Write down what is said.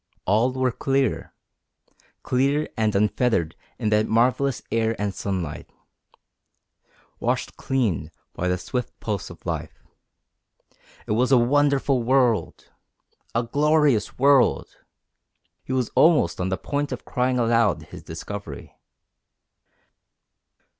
All were clear clear and unfettered in that marvellous air and sunlight, washed clean by the swift pulse of life. It was a wonderful world! A glorious world! He was almost on the point of crying aloud his discovery.